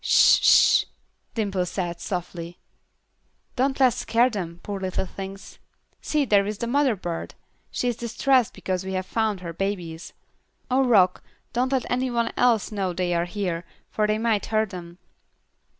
"Sh! Sh!" Dimple said, softly. "Don't let's scare them, poor little things. See, there is the mother bird. She is distressed because we have found her babies. Oh Rock, don't let any one else know they are here, for they might hurt them."